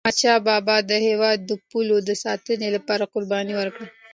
احمدشاه بابا د هیواد د پولو د ساتني لپاره قرباني ورکړه.